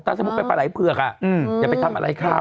ถ้าสมมุติไปปลาไหลเผือกอย่าไปทำอะไรเขา